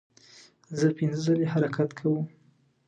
زه پنځه ځلې حرکت کوم.